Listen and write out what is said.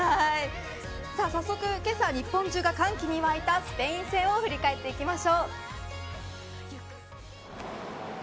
早速、けさ日本中が歓喜に沸いたスペイン戦を振り返っていきましょう。